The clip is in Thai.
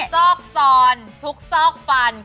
ซอกซอนทุกซอกฟัน